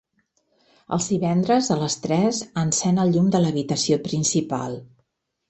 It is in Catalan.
Els divendres a les tres encèn el llum de l'habitació principal.